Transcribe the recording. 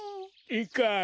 いかん。